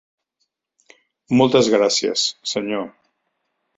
Moltes gràcies, senyor.